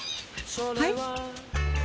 はい？